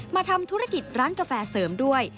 มาทำธุรกิจร้านกาแฟเสริมด้วย